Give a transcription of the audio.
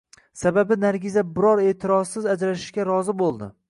Sababi Nargiza biror e`tirozsiz ajrashishga rozi bo`ldi